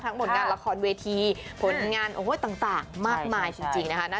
ผลงานละครเวทีผลงานต่างมากมายจริงนะคะ